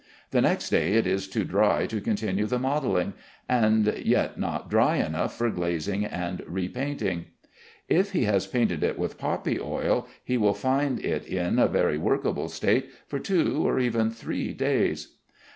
The next day it is too dry to continue the modelling, and yet not dry enough for glazing and repainting. If he has painted it with poppy oil, he will find it in a very workable state for two or even three days.